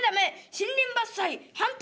森林伐採反対！」。